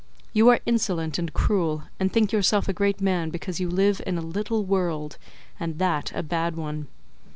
You are insolent and cruel, and think yourself a great man because you live in a little world, and that a bad one.